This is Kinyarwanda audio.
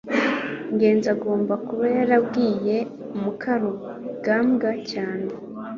ngenzi agomba kuba yarabwiye mukarugambwa cyane